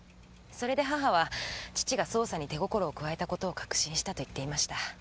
それで母は父が捜査に手心を加えた事を確信したと言っていました。